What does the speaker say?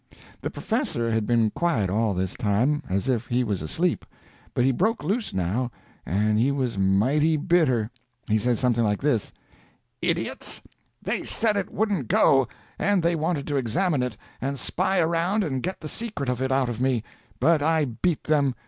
The professor had been quiet all this time, as if he was asleep; but he broke loose now, and he was mighty bitter. He says something like this: "Idiots! They said it wouldn't go; and they wanted to examine it, and spy around and get the secret of it out of me. But I beat them.